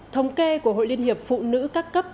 thống kê của hội liên hiệp phụ nữ các cấp